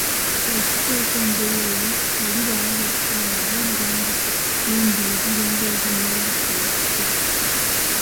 Okutya okw'engeri eyo, oli bw'alaba ekisaanyi awulira nga n'omubiri gulinga ogumera olutiko